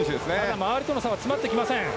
周りとの差は詰まっていません。